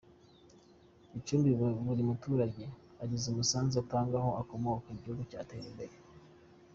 Gicumbi Buri muturage agize umusanzu atanga aho akomoka igihugu cyatera imbere